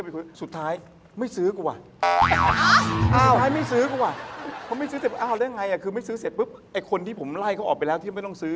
พอไม่ซื้อเสร็จก็มีคนที่ผมไล่เขาออกไปแล้วที่ไม่ต้องซื้อ